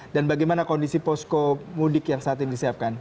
dan bagaimana kondisi posko mudik yang saat ini disiapkan